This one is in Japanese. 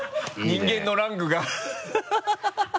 人間のランクが